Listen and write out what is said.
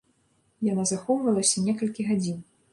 Яна захоўвалася некалькі гадзін.